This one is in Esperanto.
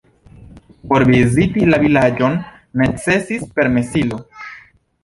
Por viziti la vilaĝon necesis permesilo.